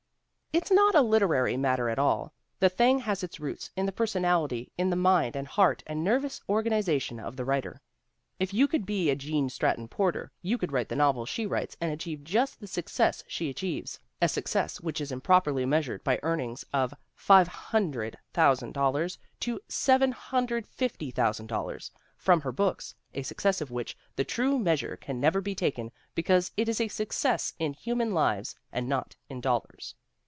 It's not a literary matter at all ; the thing has its roots in the personality, in the mind and heart and nervous organization of the writer. If you could be a Gene Stratton Porter you could write the novels she writes and achieve just the success she achieves, a success which is improperly measured by earnings of $500,000 to $750,000 from her books, a success of which the true measure can never be taken because it is a success in human lives and not in dollars.